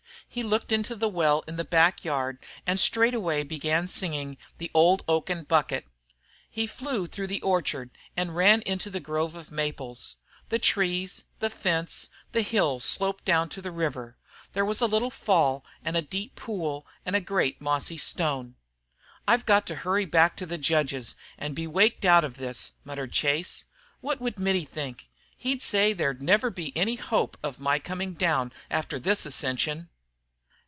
He looked into the well in the backyard and straightway began singing "The Old Oaken Bucket." He flew through the orchard and ran into the grove of maples. The trees, the fence, the hill sloped down to the river. There was a little fall and a deep pool and a great mossy stone. "I've got to hurry back to the judge's and be waked out of this," muttered Chase. "What would Mittie think? He'd say there'd never be any hope of my coming down after this ascension."